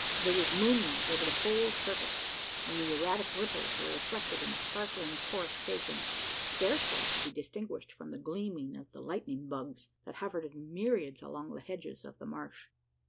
There was moonlight over the whole surface; and the erratic ripples were reflected in sparkling coruscations scarcely to be distinguished from the gleaming of the "lightning bugs," that hovered in myriads along the hedges of the marsh.